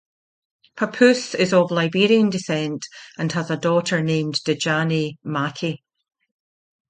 Papoose is of Liberian descent and has a daughter named Dejanae Mackie.